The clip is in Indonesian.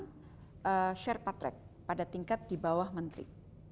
jadi ada pertemuan share part track pada tingkat di bawah menteri